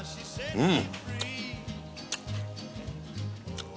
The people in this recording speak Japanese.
うん！